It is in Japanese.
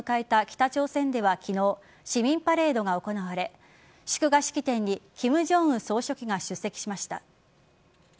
北朝鮮では昨日市民パレードが行われ祝賀式典に金正恩総書記が出席しました。